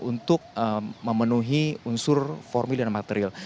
untuk memenuhi unsur formil dan material